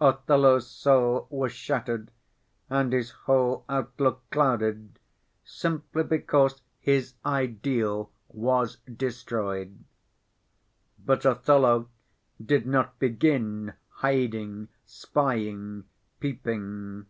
Othello's soul was shattered and his whole outlook clouded simply because his ideal was destroyed. But Othello did not begin hiding, spying, peeping.